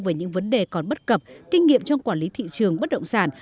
về những vấn đề còn bất cập kinh nghiệm trong quản lý thị trường bất động sản